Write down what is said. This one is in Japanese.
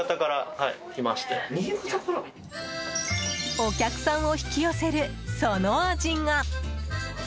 お客さんを引き寄せるその味が。